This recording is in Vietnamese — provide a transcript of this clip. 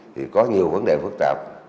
thì có nhiều vấn đề phức tạp